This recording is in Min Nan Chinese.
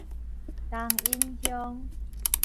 東引鄉